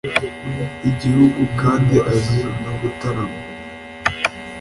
igihugu kandi azi no gutarama